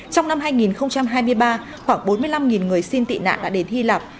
trong năm hai nghìn hai mươi ba khoảng bốn mươi năm người xin tị nạn đã đến hy lạp